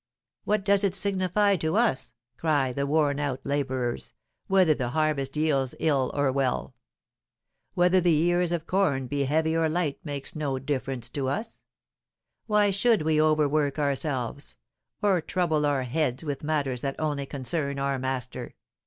"What does it signify to us," cry the worn out labourers, "whether the harvest yields ill or well? Whether the ears of corn be heavy or light makes no difference to us. Why should we overwork ourselves, or trouble our heads with matters that only concern our master?